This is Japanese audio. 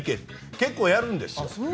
結構やるんです。